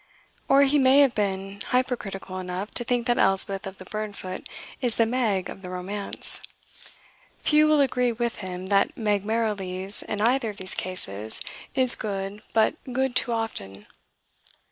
Or he may have been hypercritical enough to think that Elspeth of the Burnfoot is the Meg of the romance. Few will agree with him that Meg Merrilies, in either of these cases, is "good, but good too often."